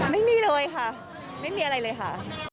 ไม่มีอะไรเลยค่ะ